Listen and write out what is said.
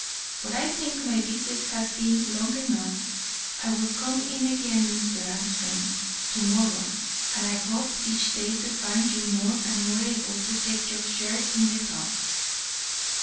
But I think my visit has been long enough. I will come in again, Mr. Armstrong, to morrow, and I hope each day to find you more and more able to take your share in the talk."